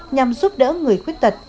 nhằm giúp đỡ người khuyết tật